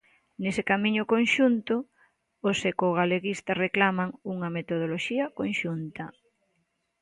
Nese camiño conxunto, os Ecogaleguistas reclaman "unha metodoloxía conxunta".